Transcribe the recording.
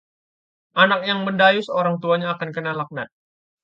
anak yang mendayus orang tuanya akan kena laknat